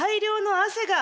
汗が？